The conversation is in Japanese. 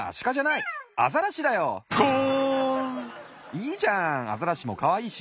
いいじゃんアザラシもかわいいし。